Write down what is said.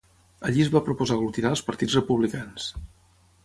Allí es va proposar aglutinar als partits republicans.